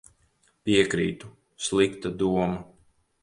Piekrītu. Slikta doma.